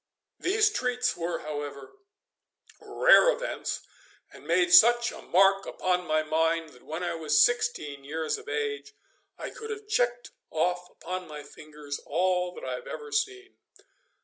These treats were, however, rare events, and made such a mark upon my mind, that when I was sixteen years of age I could have checked off upon my fingers all that I had ever seen.